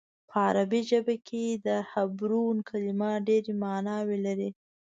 په عبراني ژبه کې د حبرون کلمه ډېرې معناوې لري.